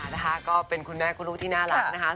นะคะก็เป็นคุณแม่คุณลูกที่น่ารักนะคะ